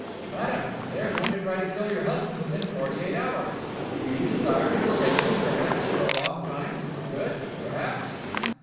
"Madame, they are going to try to kill your husband within forty eight hours. Do you desire me to save him perhaps for a long time for good, perhaps?"